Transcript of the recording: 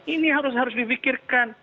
ini harus harus dipikirkan